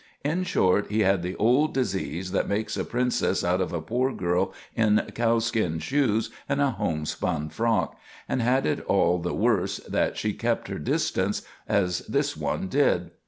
In short, he had the old disease that makes a princess out of a poor girl in cow skin shoes and a homespun frock, and had it all the worse that she kept her distance, as this one did.